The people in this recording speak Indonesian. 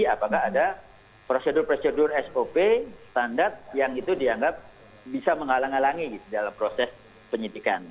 apakah ada prosedur prosedur sop standar yang itu dianggap bisa menghalang halangi dalam proses penyidikan